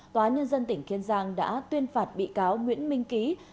tòa nhân dân tỉnh kiên giang đã tuyên phạt bị cáo nguyễn minh ký